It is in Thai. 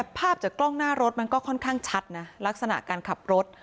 ภาพจากกล้องหน้ารถมันก็ค่อนข้างชัดนะลักษณะการขับรถ